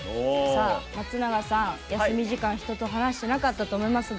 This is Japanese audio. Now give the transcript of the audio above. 松永さん、休み時間人と話してなかったと思いますが。